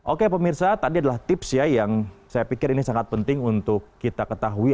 oke pemirsa tadi adalah tips ya yang saya pikir ini sangat penting untuk kita ketahui